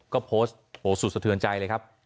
ก็โพสต์โหสุดสะเทือนใจเลยครับ